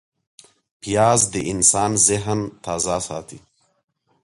پیاز د انسان ذهن تازه ساتي